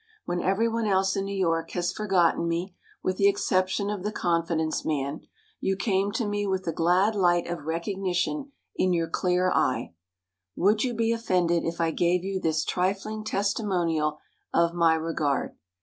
When every one else in New York has forgotten me, with the exception of the confidence man, you came to me with the glad light of recognition in your clear eye. Would you be offended if I gave you this trifling testimonial of my regard?"